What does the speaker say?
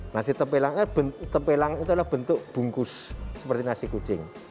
nasi tempelang itu adalah bentuk bungkus seperti nasi kucing